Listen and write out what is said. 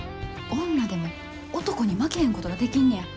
女でも男に負けへんことができんねや。